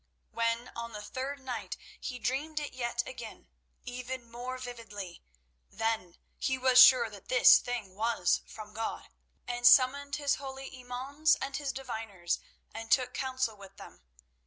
When on the third night he dreamed it yet again, even more vividly, then he was sure that this thing was from God, and summoned his holy Imauns and his Diviners, and took counsel with them.